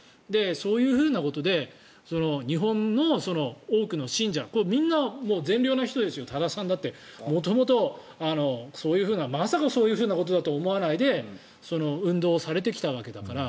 そういうことで日本の多くの信者みんな善良な人ですよ多田さんだって元々、そういうふうなまさかそういうことだとは思わないで運動をされてきたわけだから。